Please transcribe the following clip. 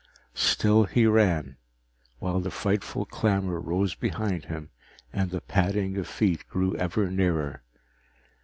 Still he ran, while the frightful clamor rose behind him and the padding of feet grew ever nearer.